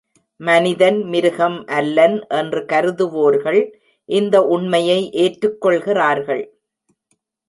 மனிதன் மிருகம் அல்லன் என்று கருதுவோர்கள் இந்த உண்மையை ஏற்றுக் கொள்கிறார்கள்.